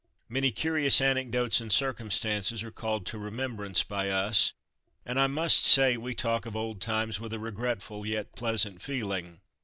Many curious anecdotes and circumstances are called to remembrance by us, and I must say we talk of old times with a regretful yet pleasant feeling.